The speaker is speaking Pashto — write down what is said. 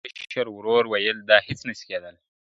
مشر ورور ویل دا هیڅ نه سي کېدلای ,